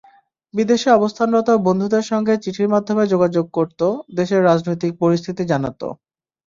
বিদেশে অবস্থানরত বন্ধুদের সঙ্গে চিঠির মাধ্যমে যোগাযোগ করত, দেশের রাজনৈতিক পরিস্থিতি জানাত।